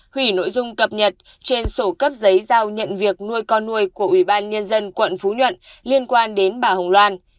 hủy nội dung cập nhật trên sổ cấp giấy giao nhận việc nuôi con nuôi của ủy ban nhân dân quận phú nhuận liên quan đến bà hồng loan